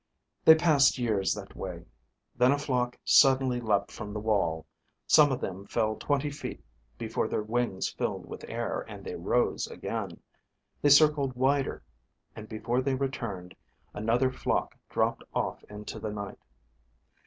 They passed years that way. Then a flock suddenly leapt from the wall. Some of them fell twenty feet before their wings filled with air and they rose again. They circled wider and before they returned, another flock dropped off into the night.